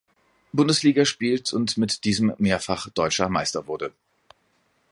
Bundesliga spielt und mit diesem mehrfach Deutscher Meister wurde.